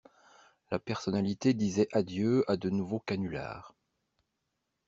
La personnalité disait adieu à de nouveaux canulars.